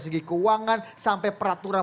segi keuangan sampai peraturan